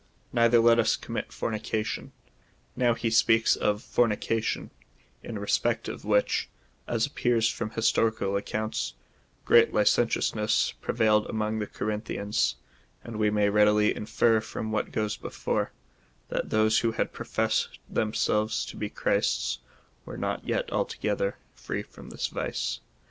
Neither let us commit fornication. Now he speaks of fornication, in respect of which, as appears from historical accounts, great licentiousness prevailed among the Corin thians, and we may readily infer from what goes before, that those who had professed themselves to be Christ's were not yet altogether free from this vice.